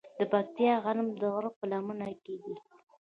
د پکتیا غنم د غره په لمن کې دي.